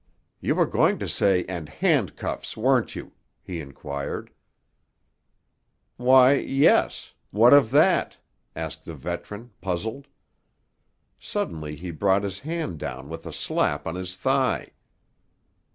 "You were going to say 'and handcuffs', weren't you?" he inquired. "Why, yes. What of that?" asked the veteran, puzzled. Suddenly he brought his hand down with a slap on his thigh.